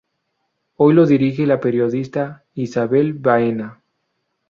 Hoy lo dirige la periodista Ysabel Baena.